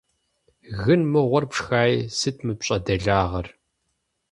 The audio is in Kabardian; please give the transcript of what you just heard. Гын мыгъуэр пшхаи, сыт мы пщӀэ делагъэр?